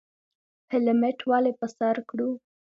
هیلمټ ولې په سر کړو؟